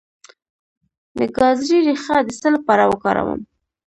د ګازرې ریښه د څه لپاره وکاروم؟